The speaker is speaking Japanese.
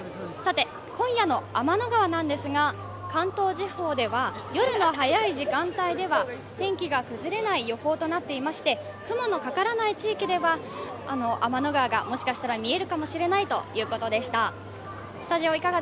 今夜の天の川なんですが関東地方では夜の早い時間帯では天気が崩れない予報となっていまして、雲のかからない地域では天の川がもしかしたら見えるかもしれないということでした。